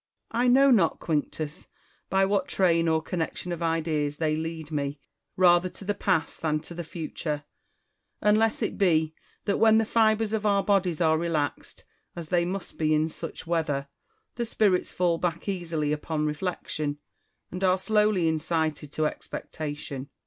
Marciis. I know not, Quinctus, by what train or connec tion of ideas they lead me rather to the past than to the future ; unless it be that, when the fibres of our bodies are relaxed, as they must be in such weather, the spirits fall back easily upon reflection, and are slowly incited to expectation.